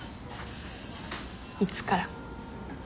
いつから？